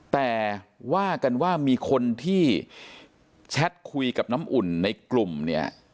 แต่ว่ากันว่ามีคนที่แชทคุยกับน้ำอุ่นในกลุ่มเนี่ย